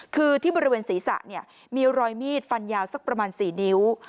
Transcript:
คือที่บริเวณศีรษะมีรอยมีดฟันยาวสักประมาณ๔นิ้ว